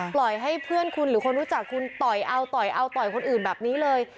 ปล่อยให้เพื่อนคุณหรือคนรู้จักคุณต่อยเอาต่อยเอาต่อยคนอื่นแบบนี้เลย